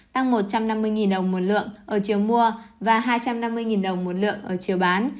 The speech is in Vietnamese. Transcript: tăng một trăm năm mươi đồng một lượng ở chiều mua và hai trăm năm mươi đồng một lượng ở chiều bán